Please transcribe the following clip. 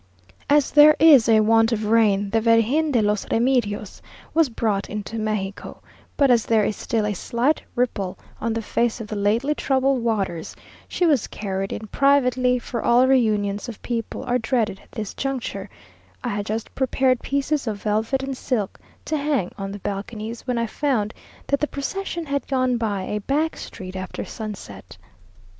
As there is a want of rain, the Virgen de los Remedios was brought into Mexico, but as there is still a slight ripple on the face of the lately troubled waters, she was carried in privately for all reunions of people are dreaded at this juncture, I had just prepared pieces of velvet and silk to hang on the balconies, when I found that the procession had gone by a back street after sunset.